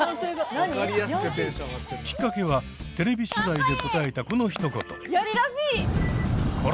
きっかけはテレビ取材で答えたこの一言。